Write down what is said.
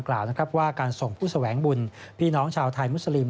กล่าวนะครับว่าการส่งผู้แสวงบุญพี่น้องชาวไทยมุสลิม